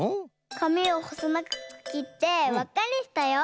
かみをほそながくきってわっかにしたよ。